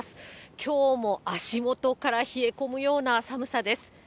きょうも足元から冷え込むような寒さです。